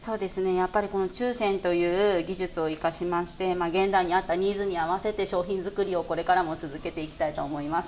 やっぱりこの注染という技術を生かしまして現代に合ったニーズに合わせて商品づくりをこれからも続けていきたいと思います。